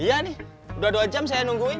iya nih udah dua jam saya nungguin